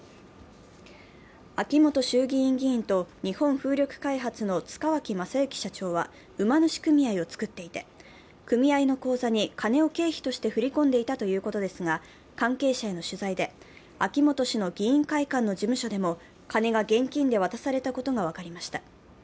秋本衆議院議員と日本風力開発の塚脇正幸社長は馬主組合を作っていて組合の口座に金を経費として振り込んでいたということですが、関係者への取材で秋本氏の議員会館の事務所でも金が現金で渡されたことが分かりました。